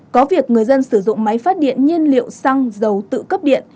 có việc người dân sử dụng máy phát điện nhiên liệu xăng dầu tự cấp điện